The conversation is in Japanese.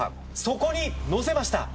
そこに載せました